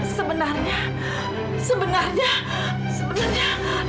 sebenarnya sebenarnya sebenarnya